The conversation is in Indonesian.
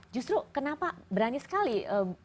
justru kenapa berani sekali launching di saat pandemi gitu ya